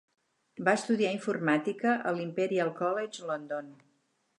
Va estudiar informàtica a l'Imperial College London.